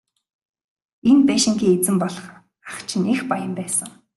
Энэ байшингийн эзэн болох ах чинь их баян байсан.